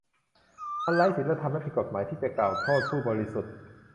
มันไร้ศีลธรรมและผิดกฎหมายที่จะกล่าวโทษผู้บริสุทธิ์